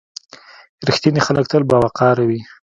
• رښتیني خلک تل باوقاره وي.